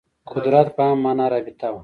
قدرت په عامه معنا رابطه وه